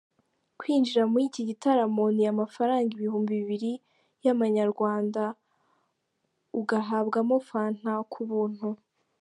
Kwinjira muri iki gitaramo ni amafaranga ibihumbi bibiri y’Amanyarwanda, ugahabwamo Fanta ku buntu.